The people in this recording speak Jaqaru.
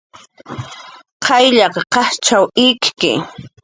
Qayllaq qashich ikki